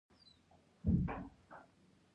ما یې نورو خبرو ته غوږ ونه نیوه.